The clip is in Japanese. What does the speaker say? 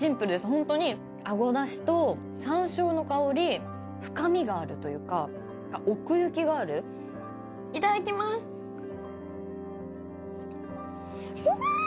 本当にアゴダシとサンショウの香り深みがあるというか奥行きがあるいただきますうーん！